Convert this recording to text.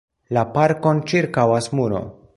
La parkon ĉirkaŭas muro.